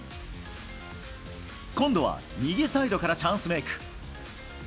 今度は右サイドからチャンスメーク。